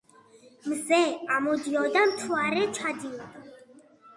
მზე ამოდიოდა მთვარე ჩადიოდა